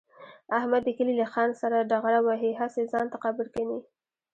احمد د کلي له خان سره ډغره وهي، هسې ځان ته قبر کني.